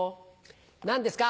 何ですか？